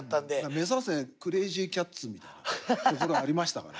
目指せクレイジーキャッツみたいなところありましたから。